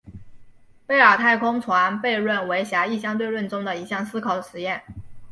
贝尔太空船悖论为狭义相对论中的一项思考实验。